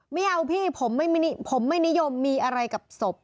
ไม่เอาพี่ผมไม่นิยมมีอะไรกับศพ